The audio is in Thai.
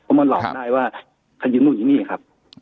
เพราะมันหลอดได้ว่าอยู่หนึ่งอยู่หนึ่งครับ